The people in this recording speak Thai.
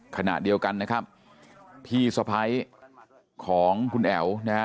ขณะเดียวกันนะครับพี่สะพ้ายของคุณแอ๋วนะฮะ